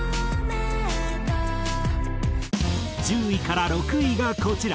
１０位から６位がこちら。